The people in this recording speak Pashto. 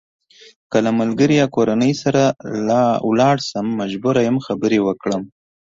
که له ملګري یا کورنۍ سره لاړ شم مجبور یم خبرې وکړم.